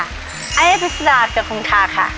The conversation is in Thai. อัยบิษณะกับคุณท่าค่ะ